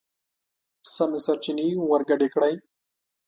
سمې سرچينې ورګډې کړئ!.